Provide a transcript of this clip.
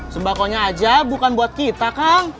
sembakonya aja bukan buat kita kang